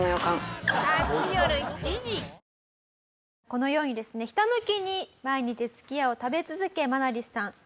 このようにですねひたむきに毎日すき家を食べ続けマナリスさん